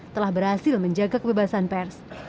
telah berhasil menjaga kebebasan pers